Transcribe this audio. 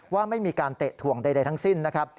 ว่าไม่มีการเตะถ่วงใดทั้งสิ้นนะครับ